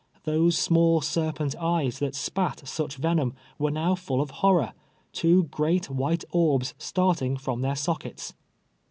Tliose small serpent eyes that spat such venom, were now full of horror — two great white orbs starting from their sockets